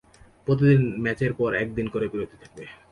প্রতিদিন ম্যাচের পর এক দিন করে বিরতি থাকবে।